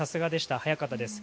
早かったです。